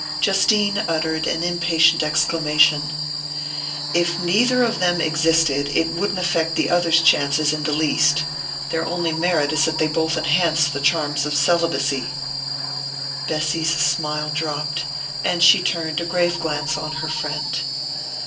Justine uttered an impatient exclamation. "If neither of them existed it wouldn't affect the other's chances in the least. Their only merit is that they both enhance the charms of celibacy!" Bessy's smile dropped, and she turned a grave glance on her friend.